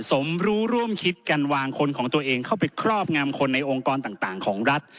สมรู้ร่วมคิดกันวางคนของตัวเองเข้าไปครอบงามคนในองค์กรต่างของรัฐ